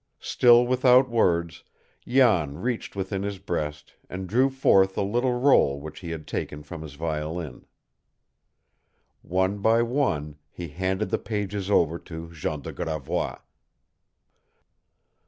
Still without words, Jan reached within his breast and drew forth the little roll which he had taken from his violin. One by one he handed the pages over to Jean de Gravois.